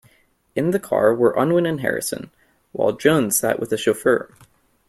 In the car were Unwin and Harrison, while Jones sat with the chauffeur.